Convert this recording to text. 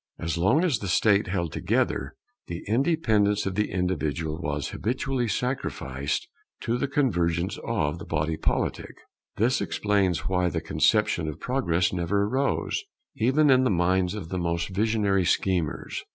As long as the State held together, the independence of the individual was habitually sacrificed to the convergence of the body politic. This explains why the conception of Progress never arose, even in the minds of the most visionary schemers.